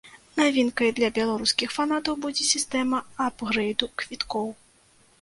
Навінкай для беларускіх фанатаў будзе сістэма апгрэйду квіткоў.